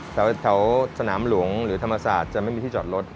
แถวสนามหลวงหรือธรรมศาสตร์จะไม่มีที่จอดรถ